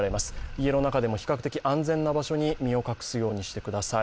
家の中でも比較的安全な場所に身を隠すようにしてください。